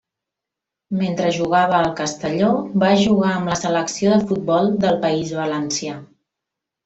Mentre jugava al Castelló va jugar amb la selecció de futbol del País Valencià.